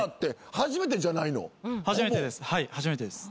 はい初めてです。